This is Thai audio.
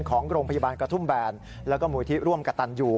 ของโรงพยาบาลกระทุ่มแบนแล้วก็มูลที่ร่วมกระตันอยู่